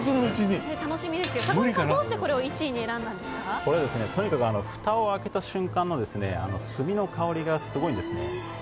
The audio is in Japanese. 坂本さん、どうしてこれをとにかくふたを開けた瞬間の炭の香りがすごいんですね。